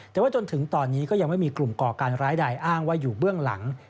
แต่ว่าจนถึงตอนนี้ก็ยังไม่มีกลุ่มก่อการร้ายใดอ้างว่าอยู่เบื้องหลัง